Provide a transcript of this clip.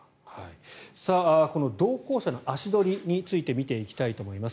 この同行者の足取りについて見ていきたいと思います。